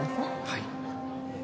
はい。